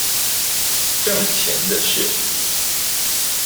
掙錢的事